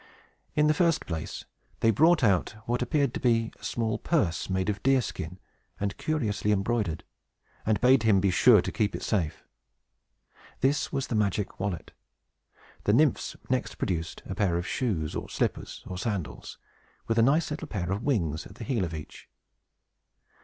In the first place, they brought out what appeared to be a small purse, made of deerskin and curiously embroidered, and bade him be sure and keep it safe. This was the magic wallet. The Nymphs next produced a pair of shoes, or slippers, or sandals, with a nice little pair of wings at the heel of each.